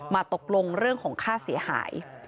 ตกลงเรื่องของค่าเสียหาย